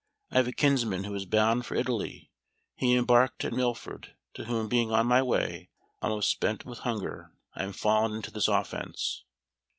I have a kinsman who is bound for Italy; he embarked at Milford, to whom being on my way, almost spent with hunger, I am fallen into this offence."